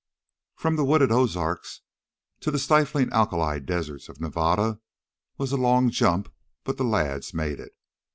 From the wooded Ozarks to the stifling alkali deserts of Nevada was a long jump, but the lads made it.